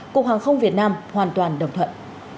cục hoàng không việt nam hoàn toàn đồng thuận